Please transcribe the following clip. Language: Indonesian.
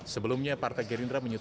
sebelumnya partai gerindra menyutupi